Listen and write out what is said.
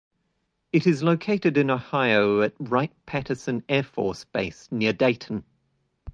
It is located in Ohio at Wright-Patterson Air Force Base, near Dayton.